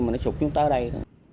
mà nó sụt chúng ta ở đây